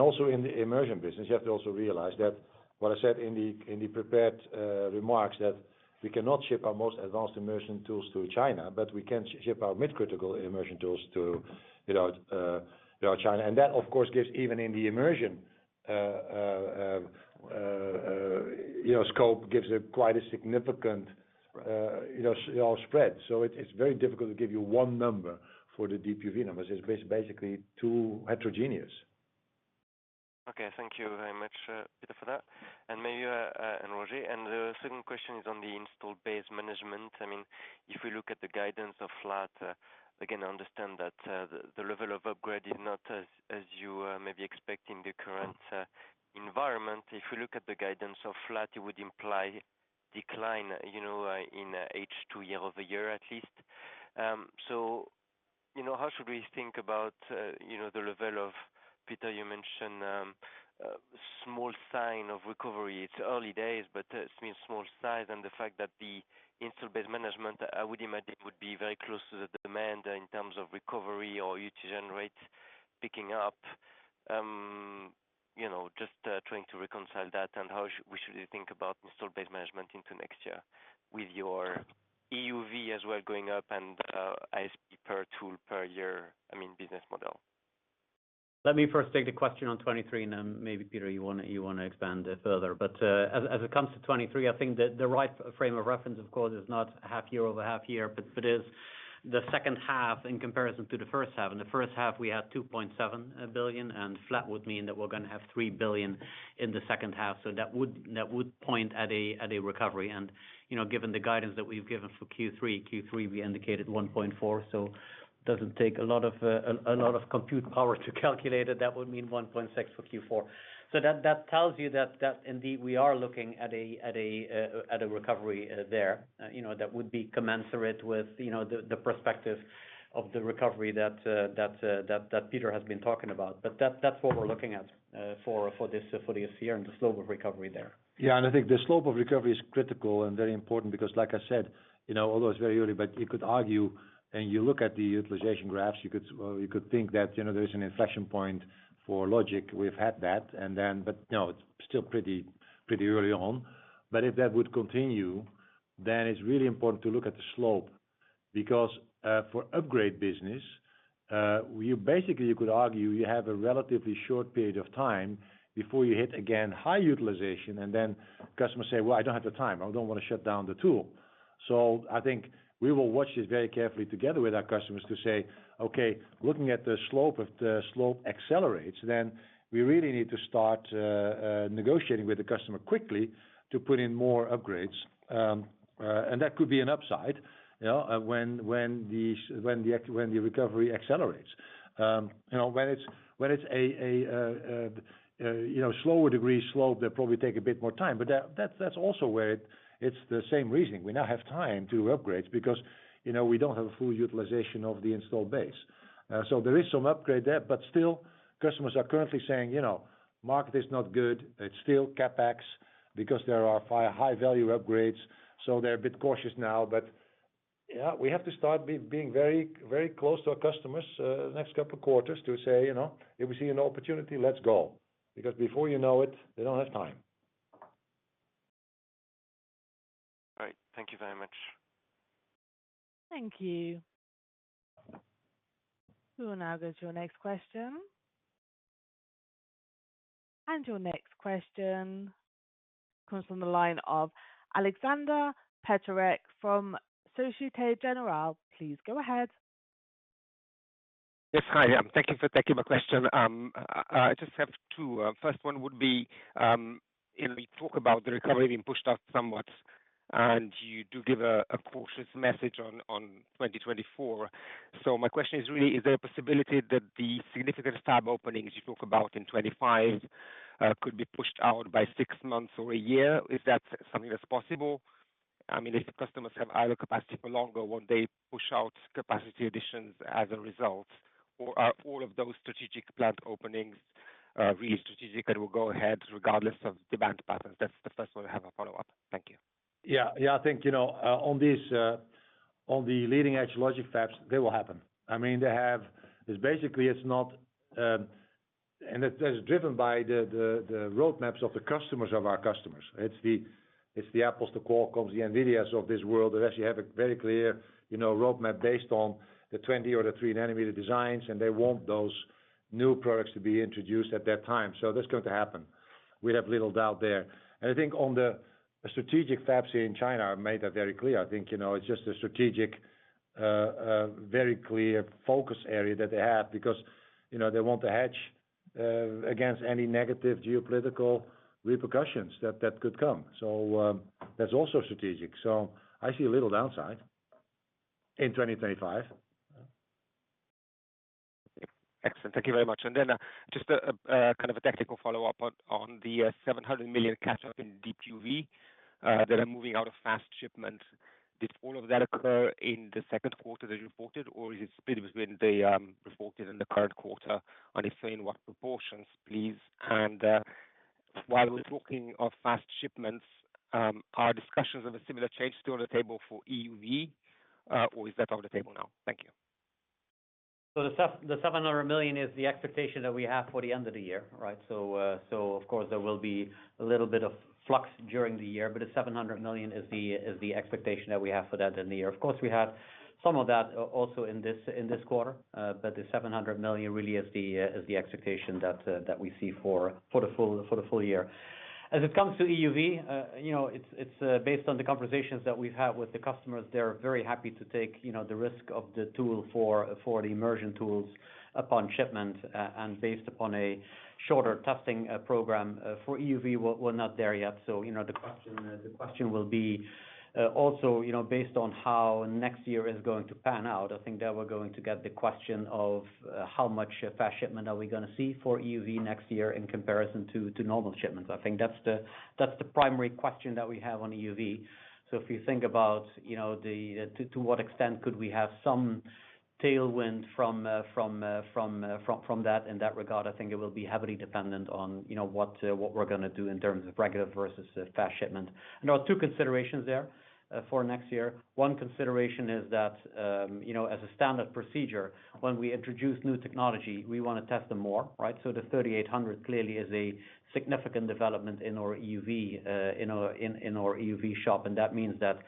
Also in the immersion business, you have to also realize that what I said in the prepared remarks, that we cannot ship our most advanced immersion tools to China, but we can ship our mid-critical immersion tools to, you know, China. That, of course, gives even in the immersion, you know, scope gives a quite a significant, you know, spread. It's very difficult to give you one number for the DUV numbers. It's basically too heterogeneous. Okay, thank you very much Peter for that, and maybe Roger. The second question is on the Installed Base Management. I mean, if we look at the guidance of flat again, I understand that the level of upgrade is not as you maybe expect in the current environment. If you look at the guidance of flat, it would imply decline, you know, in H2 year-over-year, at least. How should we think about, you know, the level of... Peter, you mentioned a small sign of recovery. It's early days but I mean, small size and the fact that the Installed Base Management, I would imagine, would be very close to the demand in terms of recovery or utility generation rates picking up. You know, just trying to reconcile that, and how we should think about Installed Base Management into next year with your EUV as well, going up and ISP per tool per year, I mean, business model. Let me first take the question on 2023, and then maybe, Peter, you want to expand it further. As it comes to 2023, I think the right frame of reference, of course, is not half year over half year, but it is the second half in comparison to the first half. In the first half, we had 2.7 billion, and flat would mean that we're gonna have 3 billion in the second half, so that would point at a recovery. You know, given the guidance that we've given for Q3, we indicated 1.4 billion, so doesn't take a lot of compute power to calculate it. That would mean 1.6 billion for Q4. That tells you that indeed, we are looking at a, at a recovery there. You know, that would be commensurate with, you know, the perspective of the recovery that Peter has been talking about. That's what we're looking at, for this, for this year and the slope of recovery there. Yeah, I think the slope of recovery is critical and very important because like I said, you know, although it's very early, but you could argue and you look at the utilization graphs, you could think that, you know, there is an inflection point for logic. We've had that. No, it's still pretty early on. If that would continue, then it's really important to look at the slope, because for upgrade business, you basically you could argue, you have a relatively short period of time before you hit again, high utilization, and then customers say, "Well, I don't have the time. I don't want to shut down the tool." I think we will watch this very carefully together with our customers to say, "Okay, looking at the slope, if the slope accelerates, then we really need to start negotiating with the customer quickly to put in more upgrades." That could be an upside, you know, when the recovery accelerates. When it's, when it's a, you know, slower degree slope, they'll probably take a bit more time, but that's also where it's the same reasoning. We now have time to do upgrades because, you know, we don't have a full utilization of the Installed Base. There is some upgrade there, but still, customers are currently saying, "You know, market is not good, it's still CapEx," because there are high-value upgrades, so they're a bit cautious now. Yeah, we have to start being very, very close to our customers, the next couple of quarters to say, "You know, if we see an opportunity, let's go." Because before you know it, they don't have time. All right. Thank you very much. Thank you. We will now go to your next question. Your next question comes from the line of Aleksander Peterc from Societe Generale. Please go ahead. Yes. Hi, thank you for taking my question. I just have two. First one would be, in the talk about the recovery being pushed out somewhat, and you do give a cautious message on 2024. My question is really, is there a possibility that the significant fab openings you talk about in 2025, could be pushed out by 6 months or a year? Is that something that's possible? I mean, if the customers have higher capacity for longer, won't they push out capacity additions as a result? Are all of those strategic plant openings, really strategic and will go ahead regardless of demand patterns? That's the first one. I have a follow-up. Thank you. Yeah. Yeah, I think, you know, on these, on the leading-edge logic fabs, they will happen. It's driven by the roadmaps of the customers, of our customers. It's the, it's the Apples, the Qualcomms, the Nvidias of this world that actually have a very clear, you know, roadmap based on the 20 or the 3nm designs, and they want those new products to be introduced at that time. That's going to happen. We have little doubt there. I think on the strategic fabs in China, I made that very clear. I think, you know, it's just a strategic, very clear focus area that they have because, you know, they want to hedge against any negative geopolitical repercussions that could come. That's also strategic. I see a little downside in 2025. Excellent. Thank you very much. Just a kind of a tactical follow-up on the 700 million catch-up in DUV that are moving out of fast shipments. Did all of that occur in the second quarter that you reported, or is it split between the reported and the current quarter? If so, in what proportions, please? While we're talking of fast shipments, are discussions of a similar change still on the table for EUV, or is that off the table now? Thank you. The 700 million is the expectation that we have for the end of the year, right? Of course, there will be a little bit of flux during the year, but the 700 million is the expectation that we have for that in the year. Of course, we have some of that also in this quarter, but the 700 million really is the expectation that we see for the full year. As it comes to EUV, you know, it's based on the conversations that we've had with the customers, they're very happy to take, you know, the risk of the tool for the immersion tools upon shipment, and based upon a shorter testing program. For EUV, we're not there yet. You know, the question will be, also, you know, based on how next year is going to pan out. I think that we're going to get the question of how much fast shipment are we gonna see for EUV next year in comparison to normal shipments? I think that's the primary question that we have on EUV. If you think about, you know, to what extent could we have some tailwind from that in that regard, I think it will be heavily dependent on, you know, what we're gonna do in terms of regular versus fast shipment. There are two considerations there for next year. One consideration is that, you know, as a standard procedure, when we introduce new technology, we want to test them more, right? The 3800 clearly is a significant development in our EUV shop, that means that,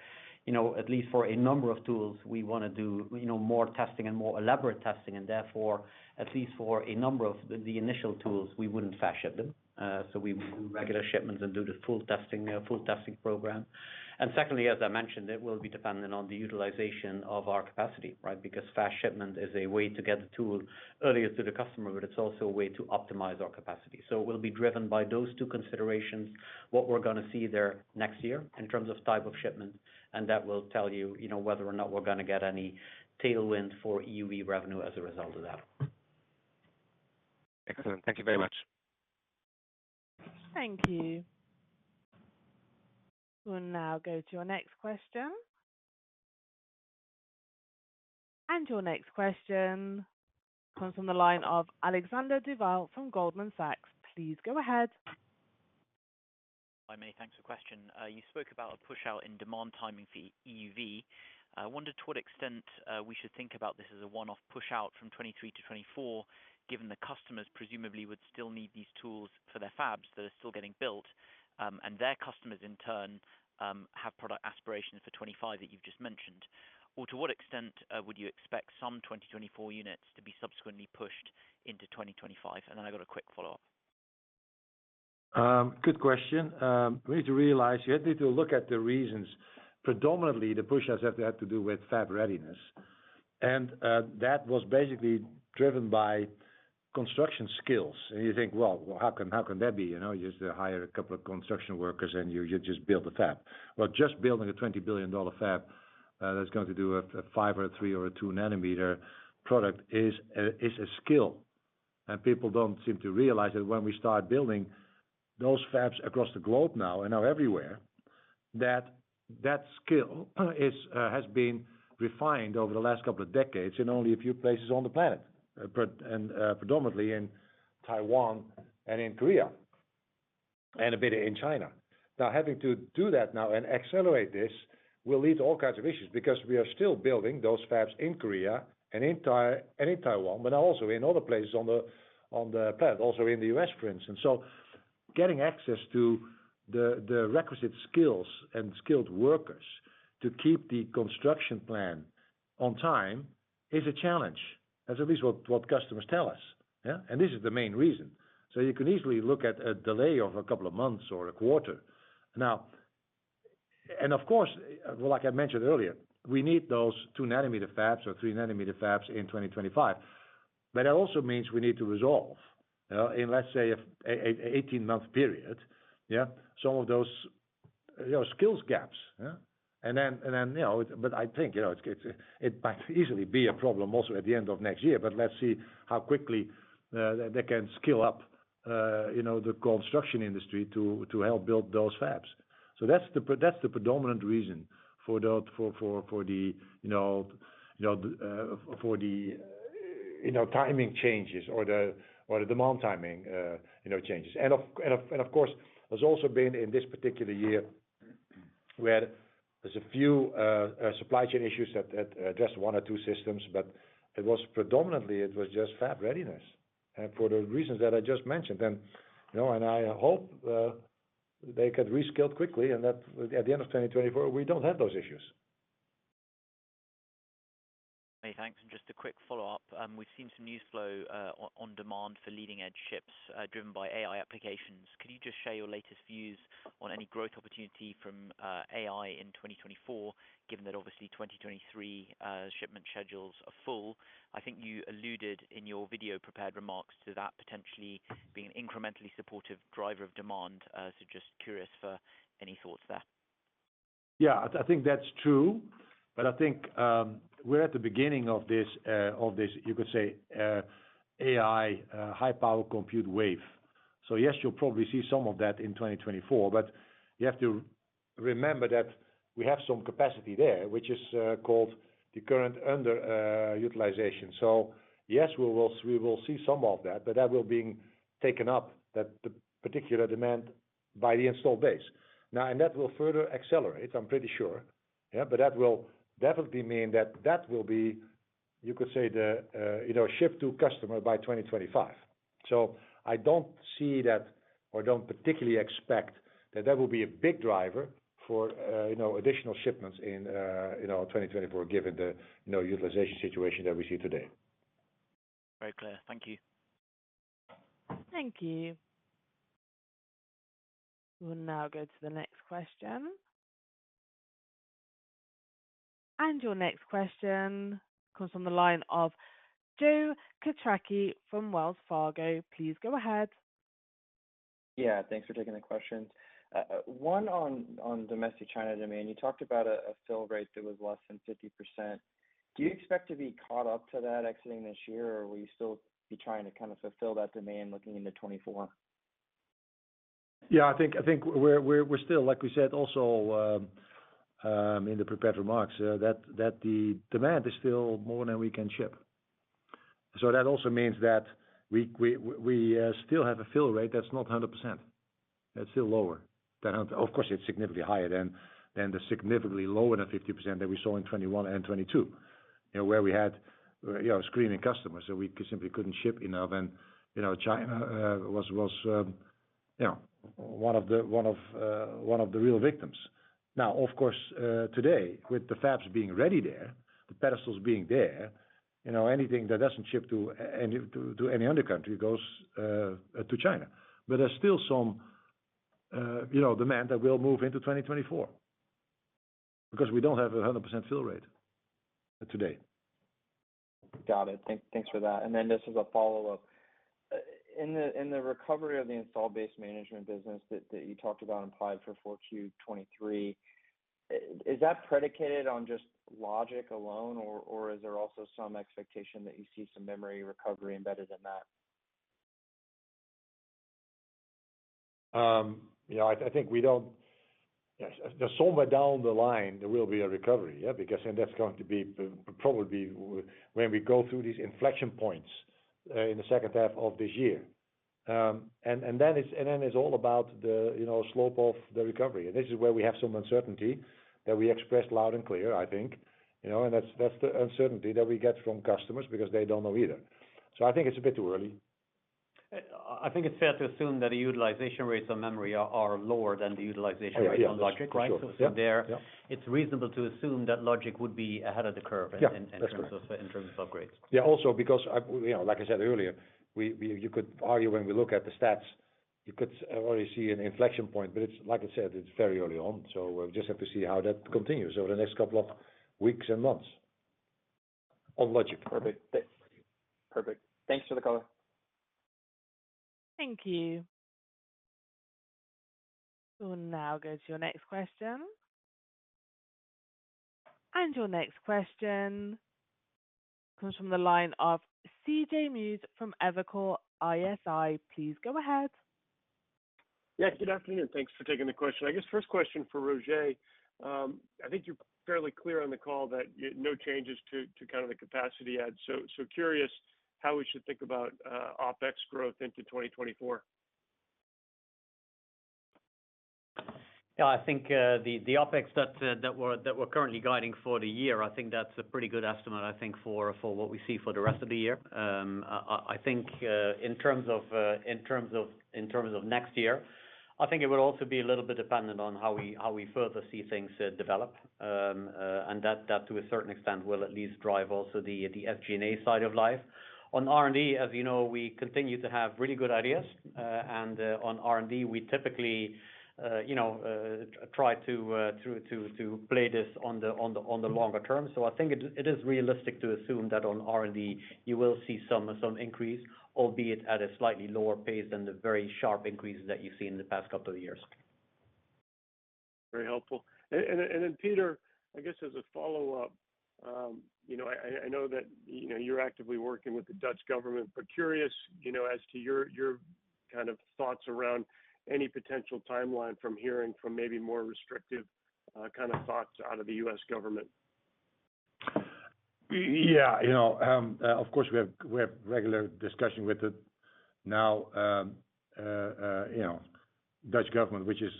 you know, at least for a number of tools, we wanna do, you know, more testing and more elaborate testing, therefore, at least for a number of the initial tools, we wouldn't fast ship them. We do regular shipments and do the full testing, full testing program. Secondly, as I mentioned, it will be dependent on the utilization of our capacity, right? Because fast shipment is a way to get the tool earlier to the customer, but it's also a way to optimize our capacity. We'll be driven by those two considerations, what we're gonna see there next year in terms of type of shipment, and that will tell you know, whether or not we're gonna get any tailwind for EUV revenue as a result of that. Excellent. Thank you very much. Thank you. We'll now go to our next question. Your next question comes from the line of Alexander Duval from Goldman Sachs. Please go ahead. Hi, many thanks for question. You spoke about a push-out in demand timing for EUV. I wondered to what extent, we should think about this as a one-off push-out from 2023 to 2024, given the customers presumably would still need these tools for their fabs that are still getting built, and their customers, in turn, have product aspirations for 2025 that you've just mentioned. Or to what extent, would you expect some 2024 units to be subsequently pushed into 2025? I got a quick follow-up. Good question. We need to realize you need to look at the reasons. Predominantly, the push-outs have to do with fab readiness, and that was basically driven by construction skills. You think, well, how can that be? You know, you just hire a couple of construction workers and you just build a fab. Just building a $20 billion fab that's going to do a 5 or a 3 or a 2nm product is a skill, and people don't seem to realize that when we start building those fabs across the globe now and are everywhere, that skill is has been refined over the last couple of decades in only a few places on the planet, and predominantly in Taiwan and in Korea, and a bit in China. Having to do that now and accelerate this will lead to all kinds of issues, because we are still building those fabs in Korea and in Taiwan, but also in other places on the, on the planet, also in the US, for instance. Getting access to the requisite skills and skilled workers to keep the construction plan on time is a challenge, at least what customers tell us, yeah. This is the main reason. You can easily look at a delay of a couple of months or a quarter. Of course, well, like I mentioned earlier, we need those 2nm fabs or 3nm fabs in 2025, but it also means we need to resolve in, let's say, a 8-month period, yeah, some of those, you know, skills gaps. You know, but I think, you know, it's, it might easily be a problem also at the end of next year, but let's see how quickly they can skill up, you know, the construction industry to help build those fabs. That's the predominant reason for the, you know, for the, you know, timing changes or the demand timing, you know, changes. Of course, there's also been in this particular year, where there's a few supply chain issues that just one or two systems, but it was predominantly just fab readiness, for the reasons that I just mentioned. You know, and I hope, they could reskill quickly, and that at the end of 2024, we don't have those issues. ... Hey, thanks, and just a quick follow-up. We've seen some news flow on demand for leading-edge chips driven by AI applications. Could you just share your latest views on any growth opportunity from AI in 2024, given that obviously 2023 shipment schedules are full? I think you alluded in your video-prepared remarks to that potentially being an incrementally supportive driver of demand. Just curious for any thoughts there. Yeah, I think that's true, but I think, we're at the beginning of this, of this, you could say, AI, high-power compute wave. Yes, you'll probably see some of that in 2024, but you have to remember that we have some capacity there, which is called the current under utilization. Yes, we will see some of that, but that will be taken up, that the particular demand by the Installed Base. Now, that will further accelerate, I'm pretty sure. Yeah, that will be mean that will be, you could say the, you know, ship to customer by 2025. I don't see that or don't particularly expect that that will be a big driver for, you know, additional shipments in, you know, 2024, given the, you know, utilization situation that we see today. Very clear. Thank you. Thank you. We'll now go to the next question. Your next question comes from the line of Joe Quatrochi from Wells Fargo. Please go ahead. Yeah, thanks for taking the question. One, on domestic China demand, you talked about a fill rate that was less than 50%. Do you expect to be caught up to that exiting this year, or will you still be trying to kind of fulfill that demand looking into 2024? Like we said, also, in the prepared remarks, the demand is still more than we can ship. That also means that we still have a fill rate that's not 100%. That's still lower than 100. Of course, it's significantly higher than the significantly lower than 50% that we saw in 2021 and 2022, you know, where we had, you know, screening customers, so we simply couldn't ship enough. You know, China was, you know, one of the real victims. Of course, today, with the fabs being ready there, the pedestals being there, you know, anything that doesn't ship to any other country goes to China. There's still some, you know, demand that will move into 2024 because we don't have a 100% fill rate today. Got it. Thanks for that. Just as a follow-up, in the recovery of the Installed Base Management business that you talked about implied for Q4 2023, is that predicated on just logic alone, or is there also some expectation that you see some memory recovery embedded in that? you know, I think we don't. Yes, there's somewhere down the line there will be a recovery. Yeah, because and that's going to be probably when we go through these inflection points in the second half of this year. It's all about the, you know, slope of the recovery. This is where we have some uncertainty that we expressed loud and clear, I think, you know, and that's the uncertainty that we get from customers because they don't know either. I think it's a bit too early. I think it's fair to assume that the utilization rates on memory are lower than the utilization rates. Yeah. on logic, right? Sure. Yeah. So there- Yeah. It's reasonable to assume that logic would be ahead of the curve. Yeah, that's correct. in terms of upgrades. Yeah, also because you know, like I said earlier, we. You could argue when we look at the stats, you could already see an inflection point, but it's like I said, it's very early on, so we'll just have to see how that continues over the next couple of weeks and months on logic. Perfect. Thanks. Perfect. Thanks for the call. Thank you. We'll now go to your next question. Your next question comes from the line of C.J. Muse from Evercore ISI. Please go ahead. Good afternoon. Thanks for taking the question. I guess first question for Roger. I think you're fairly clear on the call that, you, no changes to kind of the capacity add. Curious how we should think about OpEx growth into 2024. Yeah, I think the OpEx that we're currently guiding for the year, I think that's a pretty good estimate, I think for what we see for the rest of the year. I think in terms of next year, I think it will also be a little bit dependent on how we further see things develop. That to a certain extent, will at least drive also the SG&A side of life. On R&D, as you know, we continue to have really good ideas, and on R&D we typically, you know, try to play this on the longer term. I think it is realistic to assume that on R&D you will see some increase, albeit at a slightly lower pace than the very sharp increases that you've seen in the past couple of years. Very helpful. Then Peter, I guess as a follow-up, you know, I know that, you know, you're actively working with the Dutch government, but curious, you know, as to your kind of thoughts around any potential timeline from hearing from maybe more restrictive, kind of thoughts out of the U.S. government? Yeah, you know, of course, we have regular discussion with the now, you know, Dutch government, which is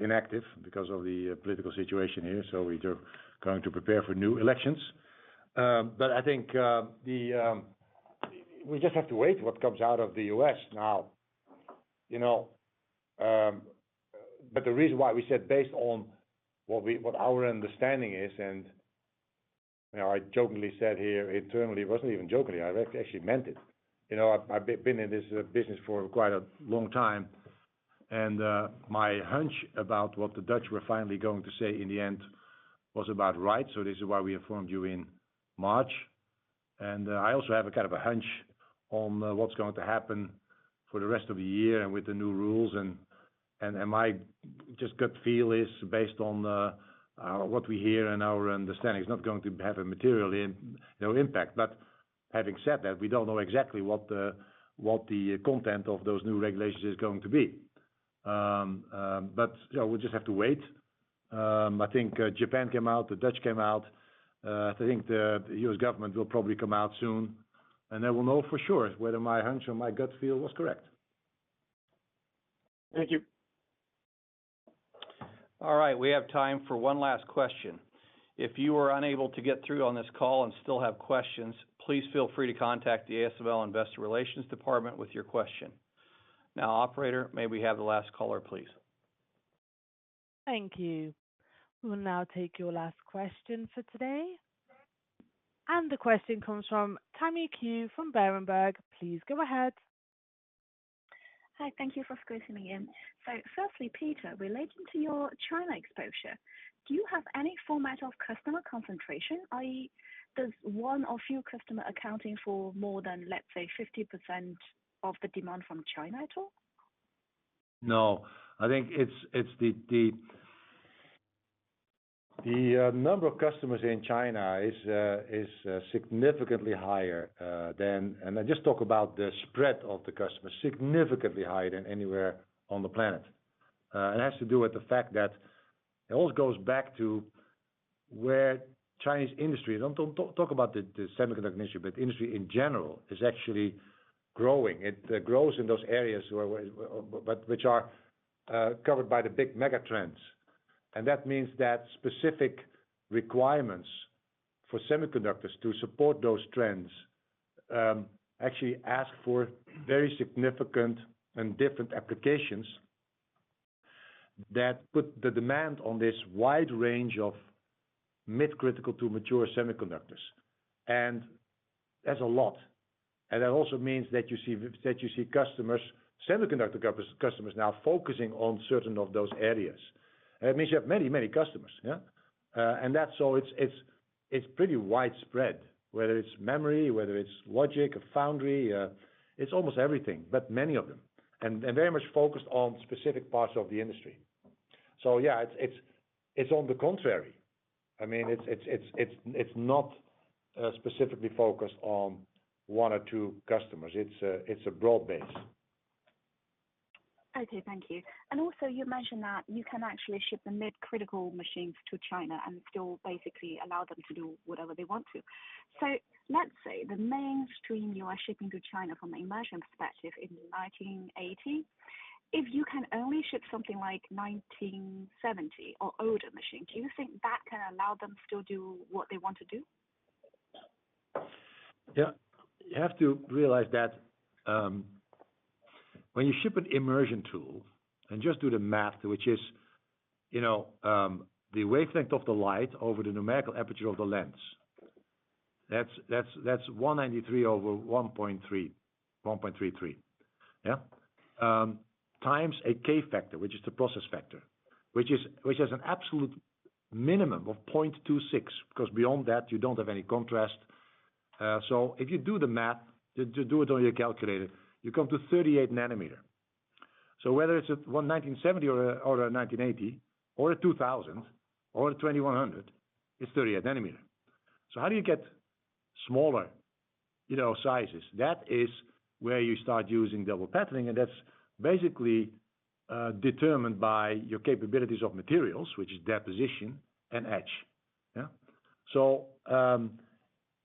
inactive because of the political situation here, so we are going to prepare for new elections. I think, we just have to wait what comes out of the U.S. now. You know. The reason why we said based on what our understanding is, and, you know, I jokingly said here internally, it wasn't even jokingly, I actually meant it. You know, I've been in this business for quite a long time, and my hunch about what the Dutch were finally going to say in the end was about right. This is why we informed you in March. I also have a kind of a hunch on what's going to happen for the rest of the year and with the new rules, and my just gut feel is based on what we hear and our understanding, it's not going to have a material no impact. Having said that, we don't know exactly what the content of those new regulations is going to be. Yeah, we'll just have to wait. I think Japan came out, the Dutch came out. I think the US government will probably come out soon, and then we'll know for sure whether my hunch or my gut feel was correct. Thank you. All right, we have time for one last question. If you are unable to get through on this call and still have questions, please feel free to contact the ASML Investor Relations Department with your question. Now, operator, may we have the last caller, please? Thank you. We'll now take your last question for today. The question comes from Tammy Qiu from Berenberg. Please go ahead. Hi, thank you for squeezing me in. Firstly, Peter, relating to your China exposure, do you have any format of customer concentration? i.e., does one of your customer accounting for more than, let's say, 50% of the demand from China at all? No, I think it's the number of customers in China is significantly higher, and I just talk about the spread of the customers, significantly higher than anywhere on the planet. It has to do with the fact that it all goes back to where Chinese industry, don't talk about the semiconductor industry, but the industry in general is actually growing. It grows in those areas where, but which are covered by the big mega trends. That means that specific requirements for semiconductors to support those trends, actually ask for very significant and different applications that put the demand on this wide range of mid-critical to mature semiconductors. That's a lot. That also means that you see, that you see customers, semiconductor customers now focusing on certain of those areas. It means you have many, many customers, yeah? That's so it's pretty widespread, whether it's memory, whether it's logic, a foundry, it's almost everything, but many of them, and very much focused on specific parts of the industry. Yeah, it's on the contrary. I mean, it's not specifically focused on one or two customers. It's a broad base. Okay, thank you. You mentioned that you can actually ship the mid-critical machines to China and still basically allow them to do whatever they want to. Let's say the mainstream you are shipping to China from an immersion perspective in TWINSCAN NXT:1980Di, if you can only ship something like TWINSCAN NXT:1970Ci or older machine, do you think that can allow them to still do what they want to do? Yeah. You have to realize that, when you ship an immersion tool and just do the math which is, you know, the wavelength of the light over the numerical aperture of the lens, that's 193 over 1.3, 1.33. Yeah. Times a k-factor, which is the process factor, which has an absolute minimum of 0.26, because beyond that, you don't have any contrast. If you do the math, just do it on your calculator, you come to 38nm. Whether it's a 1 TWINSCAN NXT:1970Ci or a TWINSCAN NXT:1980Di or a 2000 or a 2100, it's 38nm. How do you get smaller, you know, sizes? That is where you start using double patterning, and that's basically determined by your capabilities of materials, which is deposition and etch. Yeah.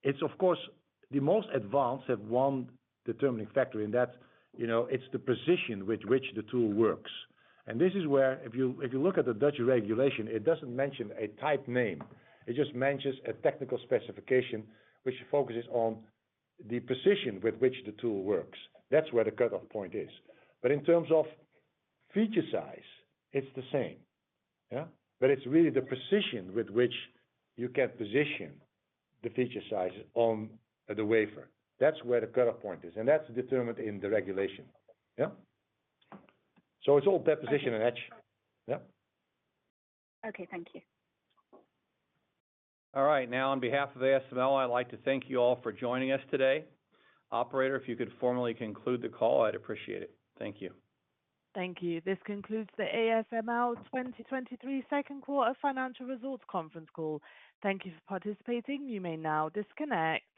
It's of course, the most advanced have one determining factor, and that's, you know, it's the precision with which the tool works. This is where if you, if you look at the Dutch regulation, it doesn't mention a type name. It just mentions a technical specification, which focuses on the precision with which the tool works. That's where the cutoff point is. In terms of feature size, it's the same. Yeah? It's really the precision with which you can position the feature size on the wafer. That's where the cutoff point is, and that's determined in the regulation. Yeah? It's all deposition and etch. Yeah. Okay, thank you. All right. Now, on behalf of ASML, I'd like to thank you all for joining us today. Operator, if you could formally conclude the call, I'd appreciate it. Thank you. Thank you. This concludes the ASML 2023 second quarter financial results conference call. Thank you for participating. You may now disconnect.